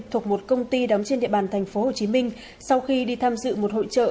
thuộc một công ty đóng trên địa bàn tp hcm sau khi đi tham dự một hội trợ